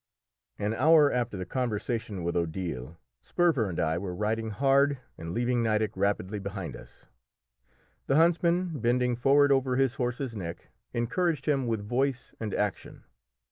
An hour after the conversation with Odile, Sperver and I were riding hard, and leaving Nideck rapidly behind us. The huntsman, bending forward over his horse's neck, encouraged him with voice and action.